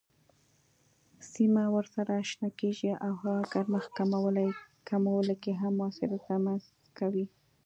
سیمه ورسره شنه کیږي او هوا ګرمښت کمولو کې هم موثریت رامنځ کوي.